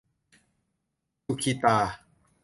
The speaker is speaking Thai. สุขิตา